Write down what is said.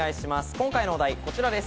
今回のお題、こちらです。